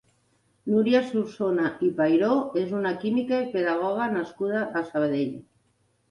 Núria Solsona i Pairó és una química i pedagoga nascuda a Sabadell.